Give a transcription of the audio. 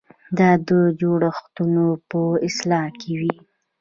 دا د جوړښتونو په اصلاح کې وي.